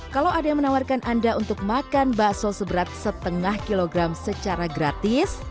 kalau ada yang menawarkan anda untuk makan bakso seberat setengah kilogram secara gratis